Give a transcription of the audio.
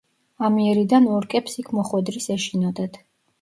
ამიერიდან ორკებს იქ მოხვედრის ეშინოდათ.